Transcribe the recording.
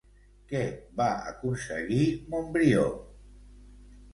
Què va aconseguir Montbrió?